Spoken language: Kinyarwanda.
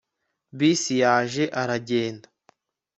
Bisi yaje aragenda